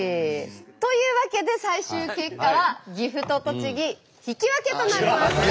というわけで最終結果は岐阜と栃木引き分けとなりました。